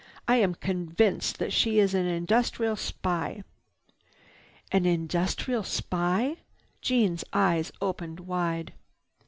"I am convinced that she is an industrial spy." "An industrial spy?" Jeanne's eyes opened wide.